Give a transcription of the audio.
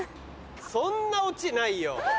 そんなオチないよ。